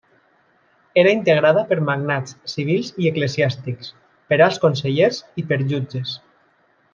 Era integrada per magnats civils i eclesiàstics, per alts consellers i per jutges.